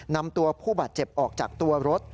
นำตัวผู้บาดเจ็บออกจากตัวรถ